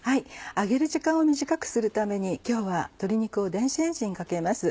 揚げる時間を短くするために今日は鶏肉を電子レンジにかけます。